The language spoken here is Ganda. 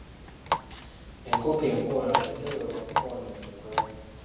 Enkoko empoolanda teweebwa muko wano mu Buganda.